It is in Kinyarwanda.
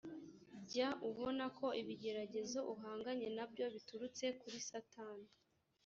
jya ubona ko ibigeragezo uhanganye na byo biturutse kuri satani